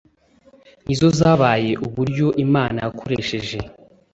ni zo zabaye uburyo Imana yakoresheje,